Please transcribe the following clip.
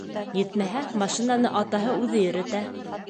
Етмәһә, машинаны атаһы үҙе йөрөтә.